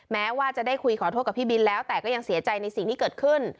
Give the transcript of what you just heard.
แม้ว่าจะได้คุยขอโทษกับพี่บินแล้วแต่ก็ยังเสียใจในสิ่งที่เกิดขึ้น